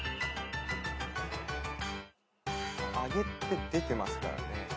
「あげ」って出てますからね。